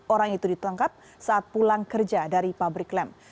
orang itu ditangkap saat pulang kerja dari pabrik lem